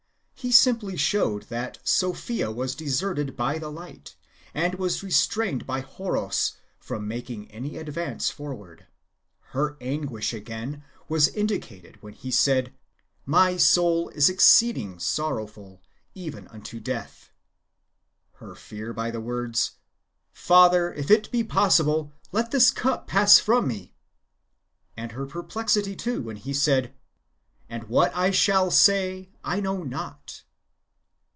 "^ He simply showed that Sophia was deserted by the light, and w^as restrained by Horos from making any advance forward. Her anguish, again, was indi cated when He said, " My soul is exceeding sorrowful, even unto death ;"^ her fear by the words, " Father, if it be possible, let this cup pass from me ;"^ and her perplexity, too, when He said, " And what I shall say, I know not."